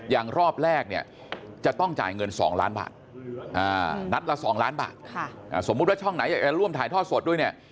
รอบแรกเนี่ยจะต้องจ่ายเงิน๒ล้านบาทนัดละ๒ล้านบาทสมมุติว่าช่องไหนอยากจะร่วมถ่ายทอดสดด้วยเนี่ย